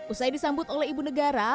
usai disambut oleh ibu negara